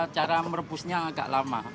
cara merebusnya agak lama